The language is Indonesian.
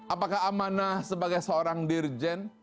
apakah amanah sebagai seorang dirjen